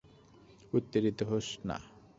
উত্তেজিত হোস না।